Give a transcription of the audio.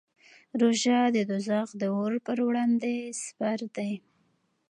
روژه د دوزخ د اور پر وړاندې سپر دی.